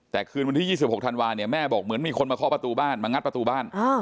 แต่คืนวันที่๒๖ธันวาเนี่ยแม่บอกเหมือนมีคนมาเคาะประตูบ้านมางัดประตูบ้าน